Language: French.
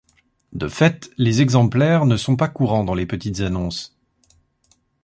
De fait, les exemplaires ne sont pas courants dans les petites annonces.